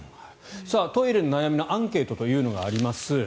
トイレの悩みのアンケートというのがあります。